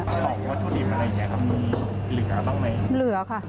ส่องวัตถุดิบอะไรใช่ครับมีเหลือบ้างไหม